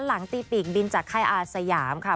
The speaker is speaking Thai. หลังตีปีกบินจากค่ายอาสยามค่ะ